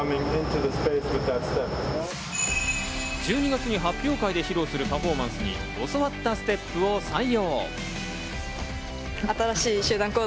１２月に発表会で披露するパフォーマンスに教わったステップを採用。